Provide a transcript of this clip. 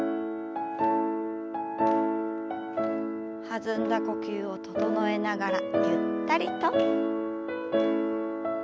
弾んだ呼吸を整えながらゆったりと。